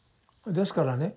ですからね